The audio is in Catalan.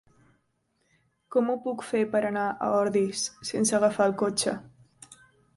Com ho puc fer per anar a Ordis sense agafar el cotxe?